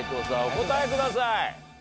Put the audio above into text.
お答えください。